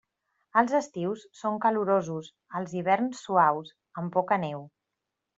Els estius són calorosos, els hiverns suaus, amb poca neu.